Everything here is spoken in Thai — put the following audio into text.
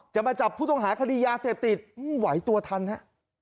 มาจับผู้ต้องหาคดียาเสพติดไหวตัวทันฮะ